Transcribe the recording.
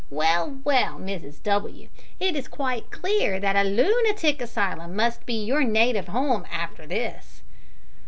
Well, well, Mrs W, it's quite clear that a loo natic asylum must be your native 'ome arter this."